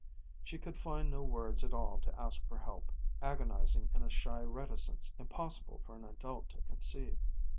She could find no words at all to ask for help, agonizing in a shy reticence impossible for an adult to conceive.